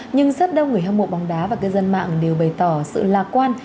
nhưng rất đông người hâm mộ bóng đá và cư dân mạng đều bày tỏ sự lạc quan